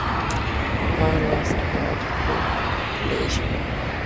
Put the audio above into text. Her last word: "foreign".